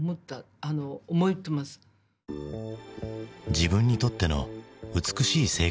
自分にとっての美しい生活とは？